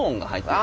はい。